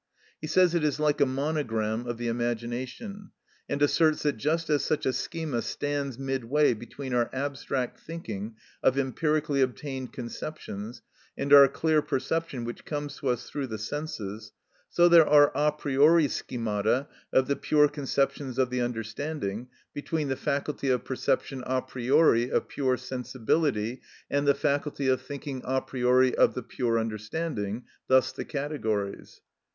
He says it is like a monogram of the imagination, and asserts that just as such a schema stands midway between our abstract thinking of empirically obtained conceptions, and our clear perception which comes to us through the senses, so there are a priori schemata of the pure conceptions of the understanding between the faculty of perception a priori of pure sensibility and the faculty of thinking a priori of the pure understanding (thus the categories).